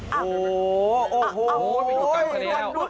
โอ้โหโอ้โหโอ้โหโอ้โหโอ้โห